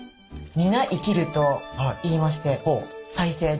「皆生きる」といいまして再生の。